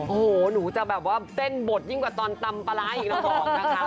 โฮ้หนูจะเต้นบทยิ่งกว่าตอนตำปลาร้าอีกนะบอก